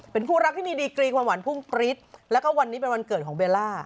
เป็นคู่รักที่มีดีกรีความหวานพุ่งปริศแล้วก็วันนี้เป็นวันเกิดของเบลล่า